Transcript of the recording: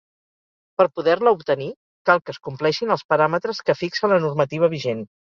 Per poder-la obtenir, cal que es compleixin els paràmetres que fixa la normativa vigent.